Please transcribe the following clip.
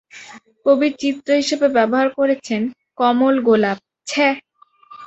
কবি চিত্র হিসেবে ব্যবহার করেছেন কমল গোলাপ। ছে।